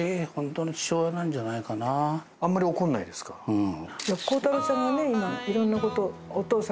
うん。